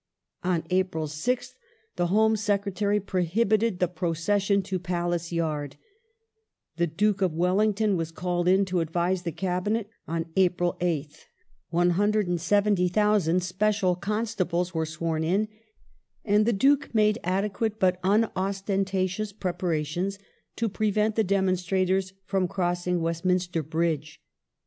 On April 6th the Home Secretary prohibited the procession to Palace Yard ; the Duke of Wellington was called in to advise the Cabinet on April 8th; 170,000 special constables were sworn in, and the Duke made adequate but unostentatious preparations to prevent the demonstrators from crossing Westminster Bridge.